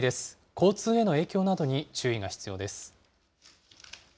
交通への影響などに注意が必要です。